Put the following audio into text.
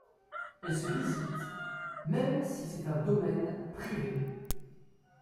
Elle se visite, même si c'est un domaine privé.